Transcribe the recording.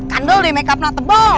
kandol deh make up nak tebol